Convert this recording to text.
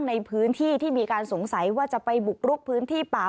ในพื้นที่ที่มีการสงสัยว่าจะไปบุกรุกพื้นที่ป่า